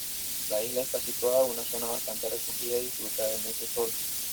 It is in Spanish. La isla está situada en una zona bastante recogida y disfruta de mucho sol.